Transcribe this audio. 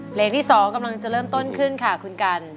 เพลงที่๒กำลังจะเริ่มต้นขึ้นค่ะคุณกัน